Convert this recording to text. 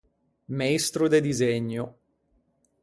Meistro de disegno.